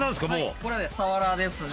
これはサワラですね。